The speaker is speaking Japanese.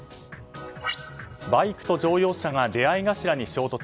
バイクと乗用車が出会い頭に衝突。